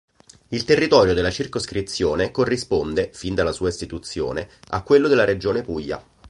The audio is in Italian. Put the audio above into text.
Il territorio della circoscrizione corrisponde, fin dalla sua istituzione, a quello della regione Puglia.